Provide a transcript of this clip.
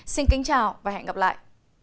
xin kính chào và hẹn gặp lại